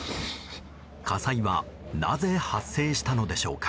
火災はなぜ発生したのでしょうか。